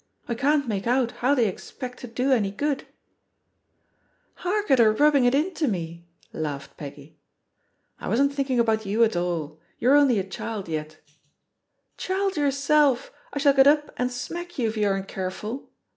I can't make out how they expect to do any good/' "Hark at her rubbing it into me I" laughed Peggy. "I wasn't thinking about you at all; you're only a child yet." "Child yourself I I shall get up and smack you if you aren't careful.